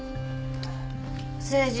誠治。